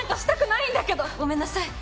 ごめんなさい。